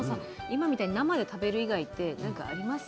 今みたいに生で食べる以外って何かあります？